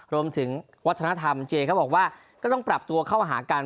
รวมถึงวัฒนธรรมเจเขาบอกว่าก็ต้องปรับตัวเข้ามาหากัน